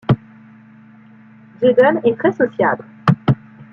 Jaeden est très sociable.